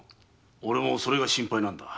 俺もそれが心配なのだ。